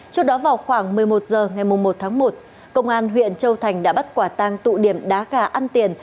trước đó vào khoảng một mươi một h ngày một tháng một công an huyện châu thành đã bắt quả tang tụ điểm đá gà ăn tiền